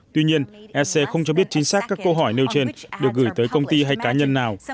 tuy nhiên ec không cho biết chính xác các câu hỏi nêu trên được gửi tới công ty hay cá nhân nào